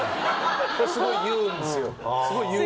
それをすごい言うんですよ。